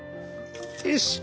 よし。